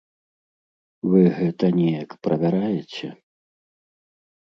Вы гэта неяк правяраеце?